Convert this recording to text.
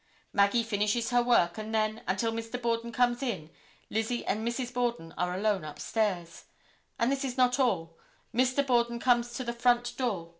Maggie finishes her work, and then, until Mr. Borden comes in, Lizzie and Mrs. Borden are alone upstairs, and this is not all; Mr. Borden comes to the front door.